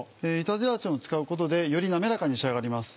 板ゼラチンを使うことでより滑らかに仕上がります。